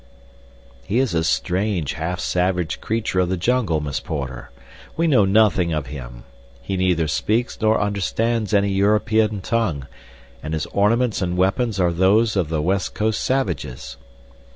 "He is a strange, half savage creature of the jungle, Miss Porter. We know nothing of him. He neither speaks nor understands any European tongue—and his ornaments and weapons are those of the West Coast savages."